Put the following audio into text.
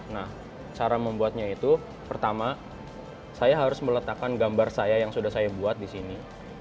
nah cara membuatnya itu pertama saya harus meletakkan gambar saya yang sudah saya buat di sini